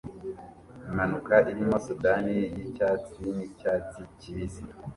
Impanuka irimo Sudani yicyatsi nicyatsi kibisi